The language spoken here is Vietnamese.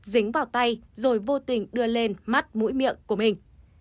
dính vào tay rồi vô tình đưa lên mắt mũi miệng của mình